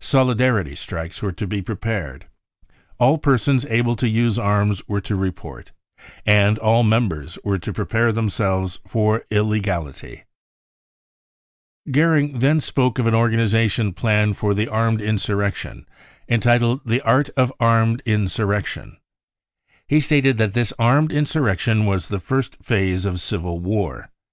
Solidarity strikes were to be prepared. All 76 BROWN BOOK OF THE HIT if E R TERROR persons abie to use arms were to report, and all members were to prepare themselves for illegality * 59 Goering then spoke of an organisation plan for an armed insurrection entitled " The Art of Armed Insurrection , 5 5 He stated that this armed insurrection was the first phase of civil war.